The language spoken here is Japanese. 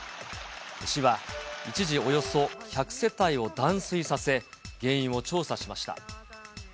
市は、一時およそ１００世帯を断水させ、原因を調査しました。